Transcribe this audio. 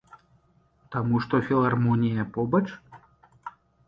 Таму што філармонія побач?